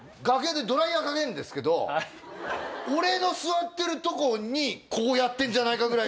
楽屋でドライヤーかけるんですけど俺の座ってるとこにやってんじゃないか？